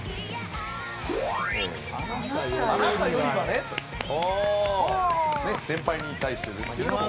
ねっ先輩に対してですけれども。